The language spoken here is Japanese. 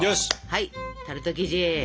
はいタルト生地。